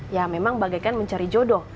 ya memang bagaikan mencari jodoh